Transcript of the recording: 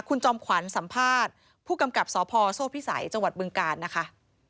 คุณจอมขวัญสัมภาษณ์ผู้กำกับสพโซพิสัยจบการนะคะ